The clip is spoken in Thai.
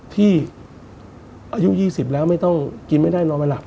ที่อายุ๒๐แล้วไม่ต้องกินไม่ได้นอนไม่หลับ